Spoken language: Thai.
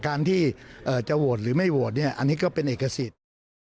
การที่จะโหวตหรือไม่โหวตอันนี้ก็เป็นเอกสิทธิ์